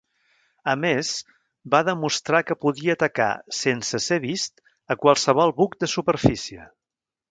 A més, va demostrar que podia atacar, sense ser vist, a qualsevol buc de superfície.